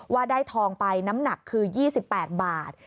ว่าได้ทองไปน้ำหนักคือ๒๘บาท